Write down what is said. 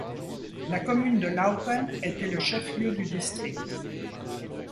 La commune de Laupen était le chef-lieu du district.